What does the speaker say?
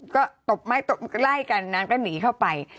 ก็ตบไม้ตบไล่กันนางก็หนีเข้าไป